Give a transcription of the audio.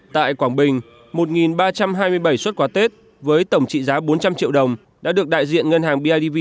tại quảng bình một ba trăm hai mươi bảy xuất quà tết với tổng trị giá bốn trăm linh triệu đồng đã được đại diện ngân hàng bidv